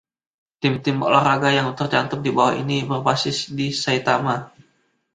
Tim-tim olahraga yang tercantum di bawah ini berbasis di Saitama.